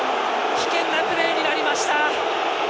危険なプレーになりました。